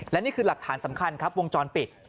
และนี่คือหลักฐานสำคัญครับวงจรปิด